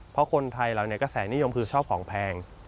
เพราะคนไทยเราเนี่ยกระแสนิยมคือชอบของแพง